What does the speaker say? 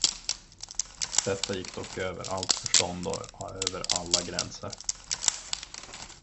Detta gick dock över allt förstånd och över alla gränser.